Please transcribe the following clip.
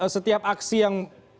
setiap aksi yang